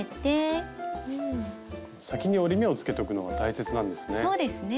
先に折り目をつけとくのが大切なんですね。